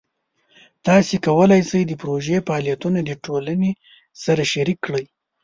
تاسو کولی شئ د پروژې فعالیتونه د ټولنې سره شریک کړئ.